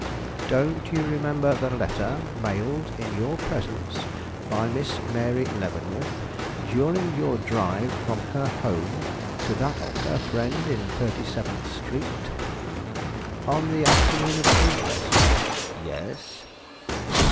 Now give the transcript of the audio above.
"Don't you remember the letter mailed in your presence by Miss Mary Leavenworth during your drive from her home to that of her friend in Thirty seventh Street?" "On the afternoon of the inquest?" "Yes."